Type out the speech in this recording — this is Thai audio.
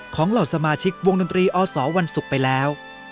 เหล่าสมาชิกวงดนตรีอสวันศุกร์ไปแล้ว